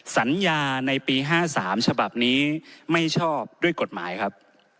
สัญญาในปี๕๓ฉบับนี้ไม่ชอบด้วยกฎหมายครับ